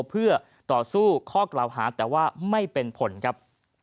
เพื่อต่อสู้ข้อกล่าวหาแต่ว่าไม่เป็นผลครับ